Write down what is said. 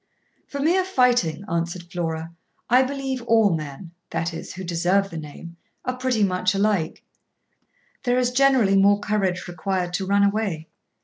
'For mere fighting,' answered Flora,' I believe all men (that is, who deserve the name) are pretty much alike; there is generally more courage required to run away.